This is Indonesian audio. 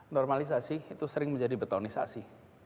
normalisasi itu sering menjadi betonisasi